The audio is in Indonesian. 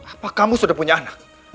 apa kamu sudah punya anak